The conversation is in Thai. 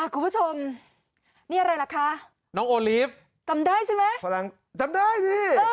คุณผู้ชมนี่อะไรล่ะคะน้องโอลีฟจำได้ใช่ไหมฝรั่งจำได้ดิ